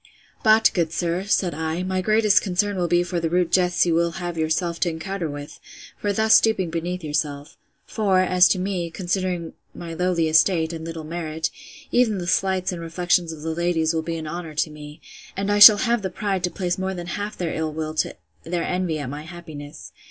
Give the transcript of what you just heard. But, good sir, said I, my greatest concern will be for the rude jests you will have yourself to encounter with, for thus stooping beneath yourself. For, as to me, considering my lowly estate, and little merit, even the slights and reflections of the ladies will be an honour to me: and I shall have the pride to place more than half their ill will to their envy at my happiness.